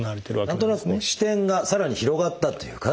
何となく視点がさらに広がったというかね